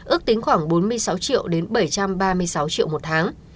ước tính khoảng bốn mươi sáu triệu đến bảy trăm ba mươi sáu triệu một tháng